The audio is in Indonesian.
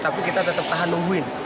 tapi kita tetap tahan nungguin